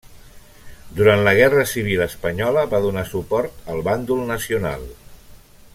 Durant la guerra civil espanyola va donar suport al bàndol nacional.